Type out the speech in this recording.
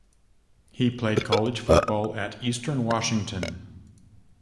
He played college football at Eastern Washington.